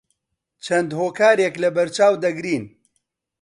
چەند هۆکارێک لەبەرچاو دەگرین